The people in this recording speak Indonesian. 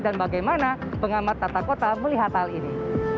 dan bagaimana pengamat tata kota melihat hal ini